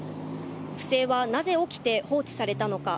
不正はなぜ起きて、放置されたのか。